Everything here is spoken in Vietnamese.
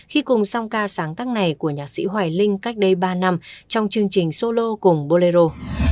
khi cùng song ca sáng tác này của nhạc sĩ hoài linh cách đây ba năm trong chương trình solo cùng bolero